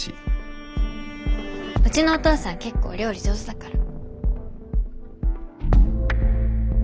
うちのお父さん結構料理上手だから。